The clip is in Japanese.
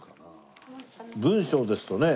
文章ですとね